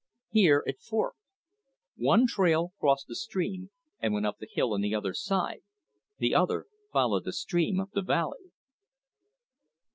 Here it forked. One trail crossed the stream and went up the hill on the other side, the other followed the stream up the valley.